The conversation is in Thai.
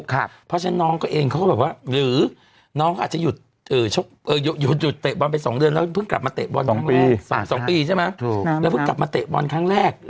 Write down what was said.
เพราะฉะนั้นน้องก็เองเขาก็แบบว่าหรือน้องเขาอาจจะหยุดเตะบอลไป๒เดือนแล้วเพิ่งกลับมาเตะบอล๒ปี๒ปีใช่ไหมแล้วเพิ่งกลับมาเตะบอลครั้งแรก